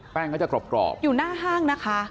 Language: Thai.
ก็จะกรอบอยู่หน้าห้างนะคะ